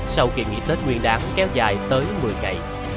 sau kỳ nghỉ tết nguyên đáng kéo dài tới một mươi ngày